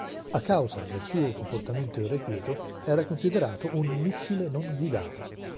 A causa del suo comportamento irrequieto era considerato un "missile non guidato".